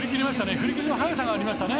振り切りの速さがありました。